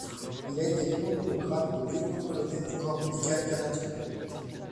Il a été promu au grade de lieutenant-colonel du Corps médical canadien.